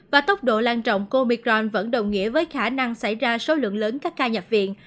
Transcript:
và tốc độ lan trọng comicron vẫn đồng nghĩa với khả năng xảy ra số lượng lớn các ca nhập viện